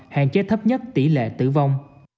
hạn chế thấp nhất tỷ lệ tử vong